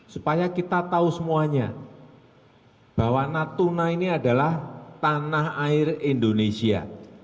supaya kita tahu semuanya bahwa natuna ini adalah tanah air indonesia